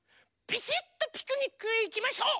ビシッとピクニックへいきましょう！